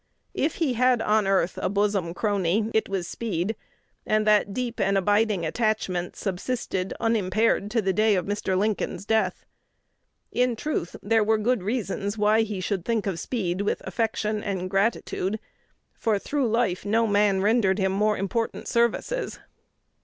If he had on earth "a bosom crony," it was Speed, and that deep and abiding attachment subsisted unimpaired to the day of Mr. Lincoln's death. In truth, there were good reasons why he should think of Speed with affection and gratitude, for through life no man rendered him more important services.